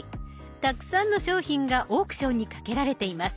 たくさんの商品がオークションにかけられています。